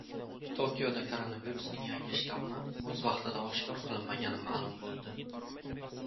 Tokioda koronavirusning yangi shtammi o‘z vaqtida oshkor qilinmagani ma’lum bo‘ldi